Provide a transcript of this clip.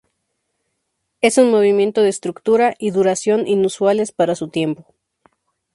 Es un movimiento de estructura y duración inusuales para su tiempo.